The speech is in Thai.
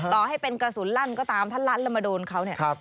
ต่อให้เป็นกระสุนลั่นก็ตามถ้าลั่นแล้วมาโดนเขาเนี่ย